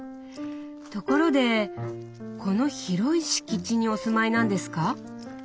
ところでこの広い敷地にお住まいなんですか？